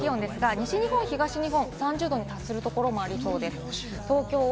西日本、東日本、３０度に達するところもありそうです。